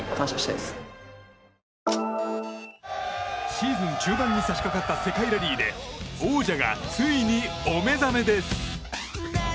シーズン終盤に差し掛かった世界ラリーで王者が、ついにお目覚めです。